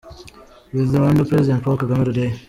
With Rwandan President Paul Kagame today.